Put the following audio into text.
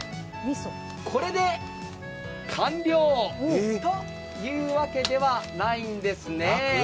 これで完了というわけではないんですね。